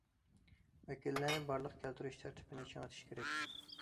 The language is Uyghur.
ۋەكىللەرنى بارلىققا كەلتۈرۈش تەرتىپىنى چىڭىتىش كېرەك.